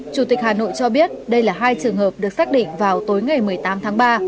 chủ tịch hà nội cho biết đây là hai trường hợp được xác định vào tối ngày một mươi tám tháng ba